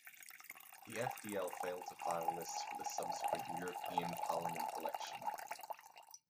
The FdL failed to file lists for the subsequent European Parliament election.